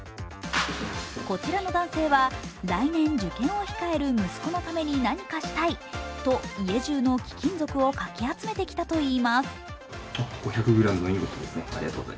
こちらの男性は、来年受験を控える息子のために何かしたいと、家じゅうの貴金属をかき集めてきたといいます。